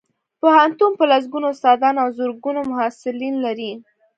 پوهنتون په لسګونو استادان او زرګونه محصلین لري